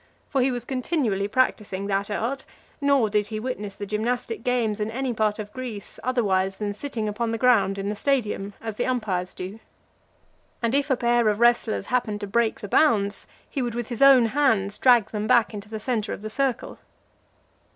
For he was continually practising that art; nor did he witness the gymnastic games in any part of Greece otherwise than sitting upon the ground in the stadium, as the umpires do. And if a pair of wrestlers happened to break the bounds, he would with his own hands drag them back into the centre of the circle.